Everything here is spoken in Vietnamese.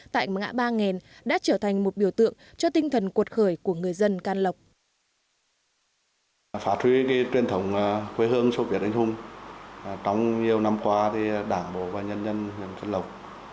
tại ngã ba nghèn đã trở thành một biểu tượng cho tinh thần cuột khởi của người dân can lộc